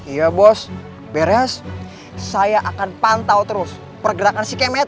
iya bos beres saya akan pantau terus pergerakan si kemes